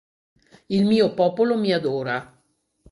Il mio popolo mi adora.